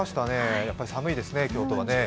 やっぱり寒いですね、京都はね。